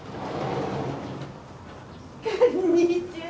こんにちは。